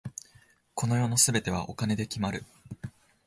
この世の全てはお金で決まる。